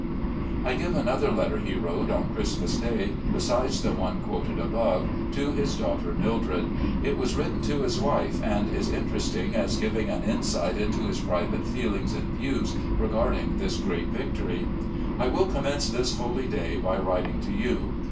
I give another letter he wrote on Christmas Day, besides the one quoted above, to his daughter, Mildred. It was written to his wife, and is interesting as giving an insight into his private feelings and views regarding this great victory :"... I will commence this holy day by writing to you.